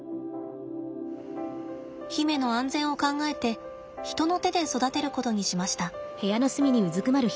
媛の安全を考えて人の手で育てることにしました。